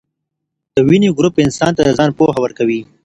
دویني ګروپ انسان ته د ځان پوهه ورکوي.